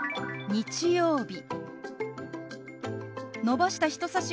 日曜日。